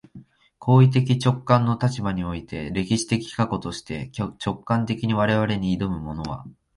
行為的直観の立場において、歴史的過去として、直観的に我々に臨むものは、